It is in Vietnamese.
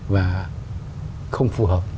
và không phù hợp